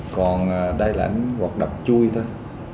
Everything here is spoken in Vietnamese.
còn đại lãnh hoặc đập chui thôi